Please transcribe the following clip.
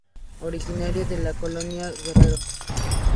Originario de la Colonia Guerrero.